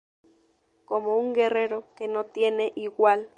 Como un guerrero, que no tiene igual.